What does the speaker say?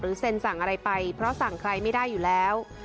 เซ็นสั่งอะไรไปเพราะสั่งใครไม่ได้อยู่แล้ว